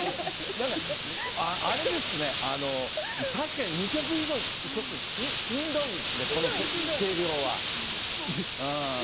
なんか、あれですね、確かに２曲以上聴くと、ちょっとしんどいっすね、しんどい、しんどい。